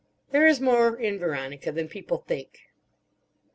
There is more in Veronica than people think.